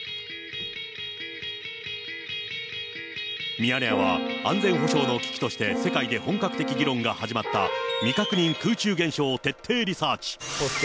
ミヤネ屋は安全保障の危機として世界で本格的議論が始まった未確認空中現象を徹底リサーチ。